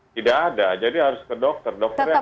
tidak ada jadi harus ke dokter dokternya akan menentukan